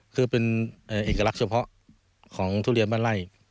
คือเป็นเอกลักษณ์เฉพาะของทุเรียนบ้านไล่